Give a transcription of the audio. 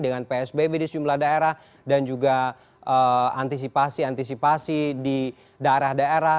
dengan psbb di sejumlah daerah dan juga antisipasi antisipasi di daerah daerah